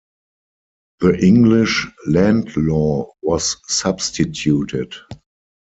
The English land law was substituted.